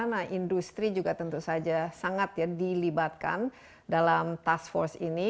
nah industri juga tentu saja sangat ya dilibatkan dalam task force ini